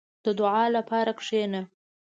• د دعا لپاره کښېنه.